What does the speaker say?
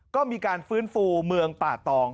ก็มีการฟื้นฟูเมืองป่าตอง